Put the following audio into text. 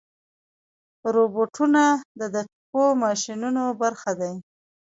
روبوټونه د دقیقو ماشینونو برخه دي.